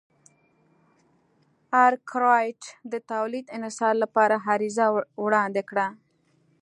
ارکرایټ د تولید انحصار لپاره عریضه وړاندې کړه.